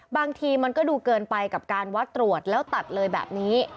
บางทีมันก็ดูเกินไปกับการวัดตรวจแล้วตัดเลยแบบนี้